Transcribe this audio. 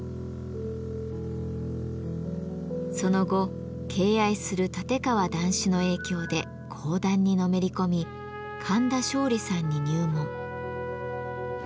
その後敬愛する立川談志の影響で講談にのめり込み神田松鯉さんに入門。